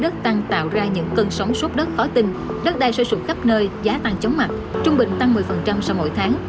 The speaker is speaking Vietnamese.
cân sốt đất khó tin đất đai sôi sụp khắp nơi giá tăng chống mặt trung bình tăng một mươi sau mỗi tháng